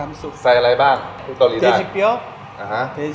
น้ำซุปสุบใส่อะไรบ้างที่ตัวรีด่าน